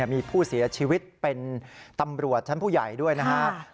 มีผู้เสียชีวิตเป็นตำรวจชั้นผู้ใหญ่ด้วยนะครับ